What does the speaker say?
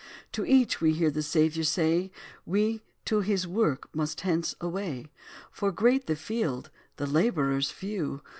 To each we hear the Saviour say We to his work must hence away; For great the field the laborers few!